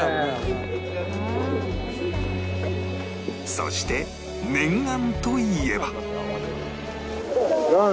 そして念願といえば